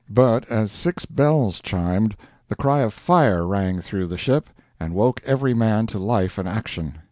But as six bells chimed, the cry of "Fire!" rang through the ship, and woke every man to life and action.